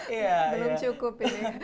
belum cukup ini